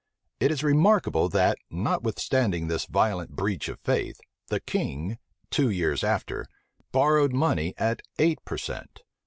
[*] It is remarkable that, notwithstanding this violent breach of faith, the king, two years after, borrowed money at eight per cent.